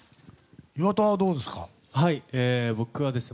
岩田はどうですか？